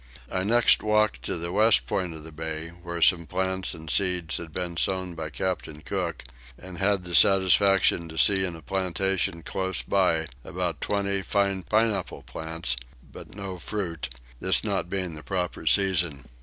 I next walked to the west point of the bay where some plants and seeds had been sown by Captain Cook; and had the satisfaction to see in a plantation close by about twenty fine pineapple plants but no fruit, this not being the proper season.